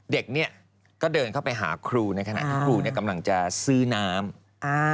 เด็กนี้ก็เดินเข้าไปหาครูในขณะที่ครูกำลังจะซื้อน้ำ